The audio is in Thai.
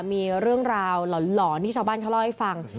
มีเรื่องราวหลอนที่ชาวบ้านเขาเล่าให้ฟัง